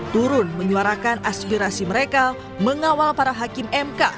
turun menyuarakan aspirasi mereka mengawal para hakim mk